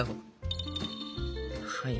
はい。